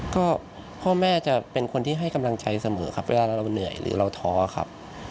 ก็พ่อแม่จะเป็นคนที่ให้กำลังใจเสมอครับเวลาเราเหนื่อยหรือเราท้อครับ